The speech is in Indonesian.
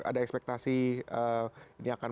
ada ekspektasi ini akan